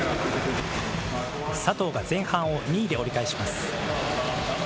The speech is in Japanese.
佐藤が前半を２位で折り返します。